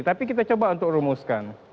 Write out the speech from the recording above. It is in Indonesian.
tapi kita coba untuk rumuskan